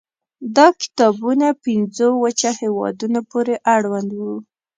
دا کتابونه پنځو وچه هېوادونو پورې اړوند وو.